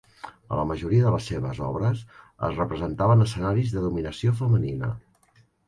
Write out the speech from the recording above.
A la majoria de les seves obre es representaven escenaris de dominació femenina.